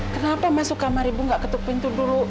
kenapa masuk kamar ibu nggak ketuk pintu dulu